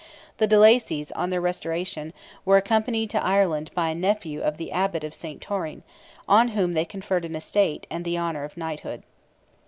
The de Lacys, on their restoration, were accompanied to Ireland by a nephew of the Abbot of St. Taurin, on whom they conferred an estate and the honour of knighthood.